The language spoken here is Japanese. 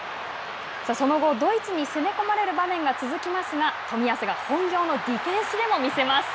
その後、ドイツに攻め込まれる場面が続きますが、冨安が本業のディフェンスでも見せます。